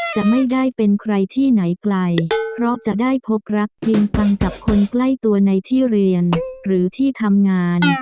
จะไม่ได้เป็นใครที่ไหนไกลเพราะจะได้พบรักยืนฟังกับคนใกล้ตัวในที่เรียนหรือที่ทำงาน